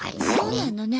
そうなのね。